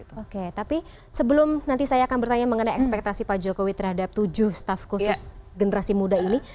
oke tapi sebelum nanti saya akan bertanya mengenai ekspektasi pak jokowi terhadap tujuh staff khusus generasi muda ini